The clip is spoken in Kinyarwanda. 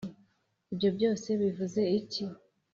ibyo byose bivuze iki?